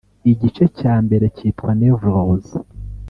Igice cya mbere kitwa 'Nevrose'